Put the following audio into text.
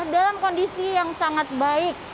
dalam kondisi yang sangat baik